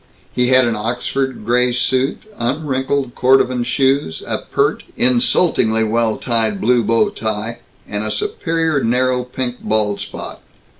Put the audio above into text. He had an Oxford gray suit, unwrinkled cordovan shoes; a pert, insultingly well tied blue bow tie, and a superior narrow pink bald spot.